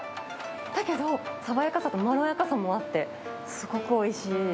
だけど、爽やかさとまろやかさもあって、すごくおいしい。